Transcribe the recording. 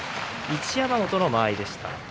一山本の間合いでした。